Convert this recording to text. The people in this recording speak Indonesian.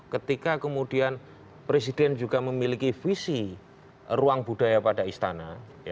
ketika kemudian presiden juga memiliki visi ruang budaya pada istana